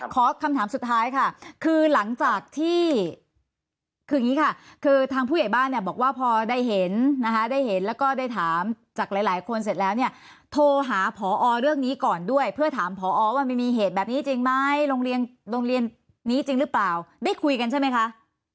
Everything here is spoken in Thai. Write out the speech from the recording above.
ขอคำถามสุดท้ายค่ะคือหลังจากที่คืออย่างนี้ค่ะคือทางผู้ใหญ่บ้านเนี่ยบอกว่าพอได้เห็นนะคะได้เห็นแล้วก็ได้ถามจากหลายหลายคนเสร็จแล้วเนี่ยโทรหาพอเรื่องนี้ก่อนด้วยเพื่อถามพอว่ามันมีเหตุแบบนี้จริงไหมโรงเรียนโรงเรียนนี้จริงหรือเปล่าได้คุยกันใช่ไหมคะ